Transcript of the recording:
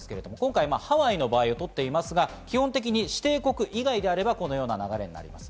ハワイの場合をとっていますが基本的に指定国以外であれば、このような流れになります。